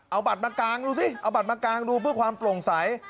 เอาบัตรมากางดูสิเอาบัตรมากางดูเพื่อความโปร่งใส